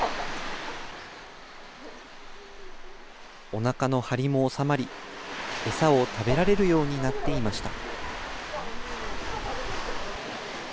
おなかの張りも治まり、餌を食べられるようになっていました。